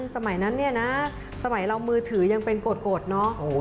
สมัยนั้นเนี่ยนะสมัยเรามือถือยังเป็นโกรธเนอะ